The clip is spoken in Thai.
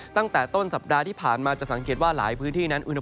ตั้งแต่ต้นสัปดาห์ที่ผ่านมาจะสังเกตว่าหลายพื้นที่นั้นอุณ